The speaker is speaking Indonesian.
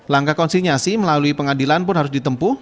langkah konsinyasi melalui pengadilan pun harus ditempuh